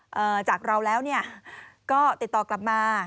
จากเราแล้วเนี่ยก็ติดต่อกลับมา